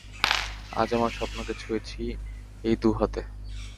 আজ আমার স্বপ্ন কে ছুয়েছি, এই দু হাতে।